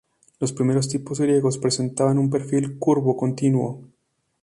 Los primeros tipos griegos presentaban un perfil curvo continuo.